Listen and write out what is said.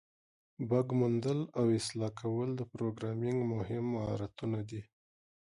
بګ موندل او اصلاح کول د پروګرامینګ مهم مهارتونه دي.